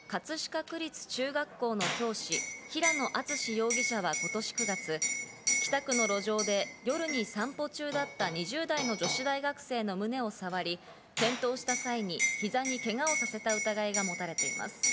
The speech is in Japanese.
警視庁によりますと、逮捕された葛飾区立の中学校教師・平野篤志容疑者は今年９月、北区の路上で夜に散歩中だった２０代の女子大学生の胸を触り、転倒した際にひざにけがをさせた疑いが持たれています。